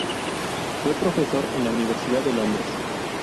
Fue profesor en la Universidad de Londres.